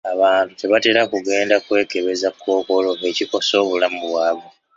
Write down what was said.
Abantu tebatera kugenda kwekebeza Kkookolo ekikosa obulamu bwabwe.